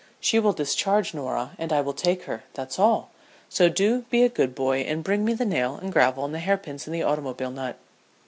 She will discharge Norah and I will take her, that's all; so do be a good boy and bring me the nail and gravel and the hair pins and the automobile nut."